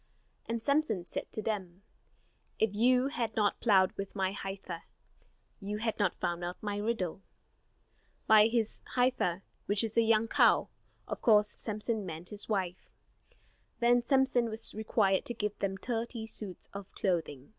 And Samson said to them: "If you had not plowed with my heifer, You had not found out my riddle." By his "heifer," which is a young cow, of course Samson meant his wife. Then Samson was required to give them thirty suits of clothing.